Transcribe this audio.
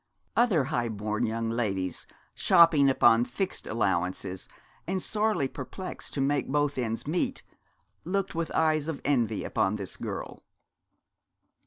Other high born young ladies, shopping upon fixed allowances, and sorely perplexed to make both ends meet, looked with eyes of envy upon this girl.